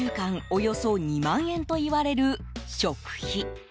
およそ２万円といわれる食費。